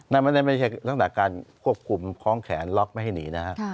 นั่นไม่ใช่สำหรับการควบคุมคล้องแขนล็อกไม่ให้หนีนะครับ